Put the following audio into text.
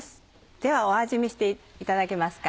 では味見していただけますか。